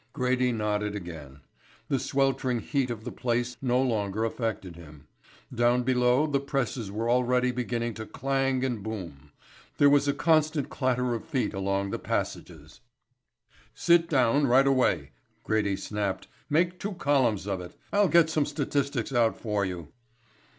Grady nodded again. The sweltering heat of the place no longer affected him. Down below the presses were already beginning to clang and boom. There was a constant clatter of feet along the passages. "Sit down right away," Grady snapped. "Make two columns of it. I'll get some statistics out for you."